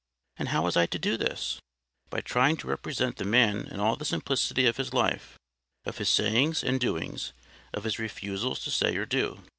And how was I to do this?—By trying to represent the man in all the simplicity of His life, of His sayings and doings, of His refusals to say or do.